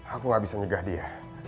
aku gak bisa nyegah dia